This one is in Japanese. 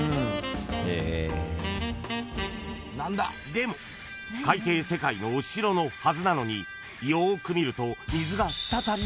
［でも海底世界のお城のはずなのによく見ると］